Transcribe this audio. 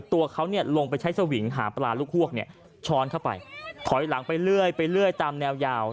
ตัวเขาลงไปใช้สวิงหาปลาลูกฮวกช้อนเข้าไปถอยหลังไปเรื่อยไปเรื่อยตามแนวยาว